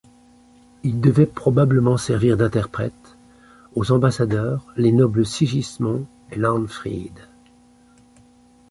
Il devait probablement servir d'interprète aux ambassadeurs, les nobles Sigismond et Landfried.